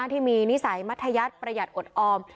ที่มีนิสัยมัทยัดประหยัดอดออม